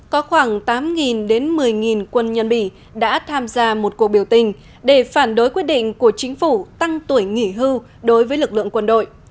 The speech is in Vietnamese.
có khoảng tám đến một mươi quân nhân bỉ đã tham gia một cuộc biểu tình để phản đối quyết định của chính phủ tăng tuổi nghỉ hưu đối với lực lượng quân đội